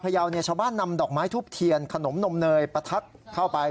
ยาวชาวบ้านนำดอกไม้ทูบเทียนขนมนมเนยประทัดเข้าไป